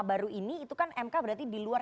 baru ini itu kan mk berarti di luar